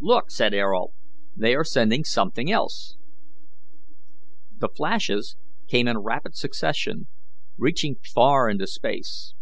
"Look!" said Ayrault, "they are sending something else." The flashes came in rapid succession, reaching far into space.